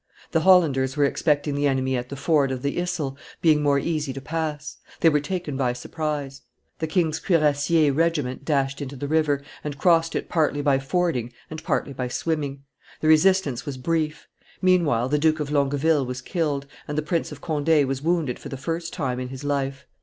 The Hollanders were expecting the enemy at the ford of, the Yssel, being more easy to pass; they were taken by surprise; the king's cuirassier regiment dashed into the river, and crossed it partly by fording and partly by swimming; the resistance was brief; meanwhile the Duke of Longueville was killed, and the Prince of Conde was wounded for the first time in his life.